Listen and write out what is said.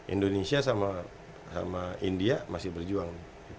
indonesia sama india masih berjuang